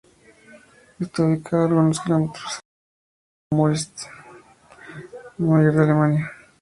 Está ubicado a algunos kilómetros al este del lago Müritz, el mayor de Alemania.